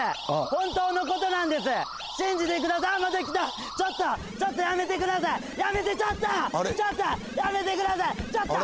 本当のことなんです信じてくださああまた来たちょっとちょっとやめてくださいやめてちょっと！